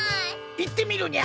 言ってみるにゃ！